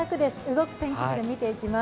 動く天気図で見ていきます。